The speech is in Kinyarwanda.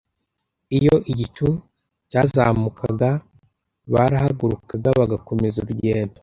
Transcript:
Iyo igicu cyazamukaga, barahagurukaga bagakomeza urugendo.